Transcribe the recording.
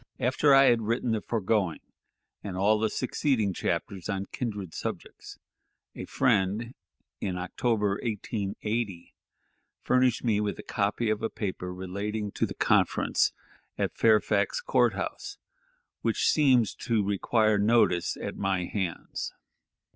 After I had written the foregoing, and all the succeeding chapters on kindred subjects, a friend, in October, 1880, furnished me with a copy of a paper relating to the conference at Fairfax Court House, which seems to require notice at my hands.